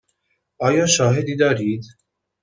آیا شاهدی دارید؟